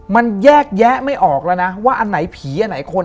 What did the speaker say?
มันแยกแยะไม่ออกแล้วนะว่าอันไหนผีอันไหนคน